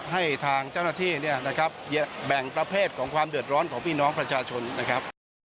ให้ทางเจ้าหน้าที่เนี่ยนะครับแบ่งประเภทของความเดือดร้อนของพี่น้องประชาชนนะครับ